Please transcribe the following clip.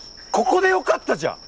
ここでよかったじゃん。